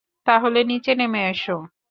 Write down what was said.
তাহলে নিচে নেমে এসো।